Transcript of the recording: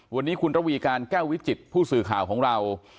วันนี้คุณระวีการแก้ววิจิตผู้สื่อข่าวของเรา